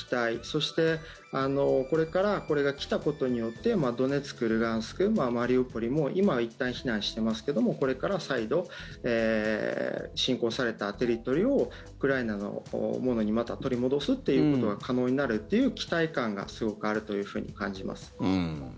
そして、これからこれが来たことによってドネツク、ルガンスクマリウポリも今はいったん避難してますけどもこれから再度侵攻されたテリトリーをウクライナのものにまた取り戻すということが可能になるという期待感がすごくあると感じます。